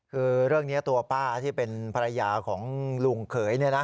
คือเรื่องนี้ตัวป้าที่เป็นภรรยาของลุงเขย